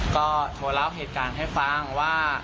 ก็โทรเล่าเหตุการณ์ให้ฟังว่า